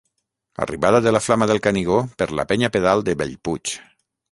Arribada de la flama del Canigó per la penya pedal de Bellpuig.